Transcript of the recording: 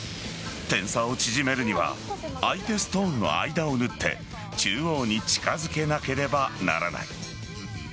点差を縮めるには相手ストーンの間を縫って中央に近づけなければならない。